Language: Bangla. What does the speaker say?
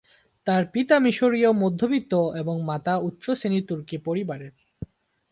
তার পিতা মিশরীয় মধ্যবিত্ত এবং মাতা উচ্চ শ্রেণীর তুর্কি পরিবারের।